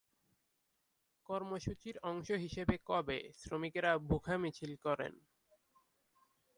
কর্মসূচির অংশ হিসেবে কবে শ্রমিকেরা ভুখা মিছিল করেন?